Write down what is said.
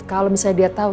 kalau misalnya dia tau